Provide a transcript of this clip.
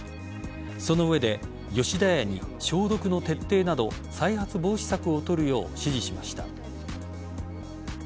その上で、吉田屋に消毒の徹底など再発防止策を取るよう指示しました。